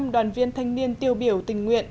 một trăm linh đoàn viên thanh niên tiêu biểu tình nguyện